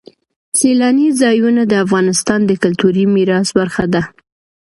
سیلانی ځایونه د افغانستان د کلتوري میراث برخه ده.